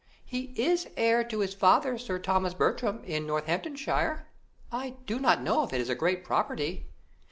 "He is heir to his father, Sir Thomas Bertram, in Northamptonshire; I do not know if it is a great property."